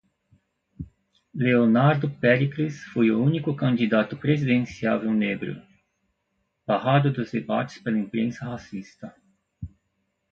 Leonardo Péricles foi o único candidato presidenciável negro, barrado dos debates pela imprensa racista